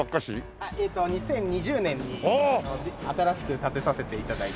２０２０年に新しく建てさせて頂いたものです。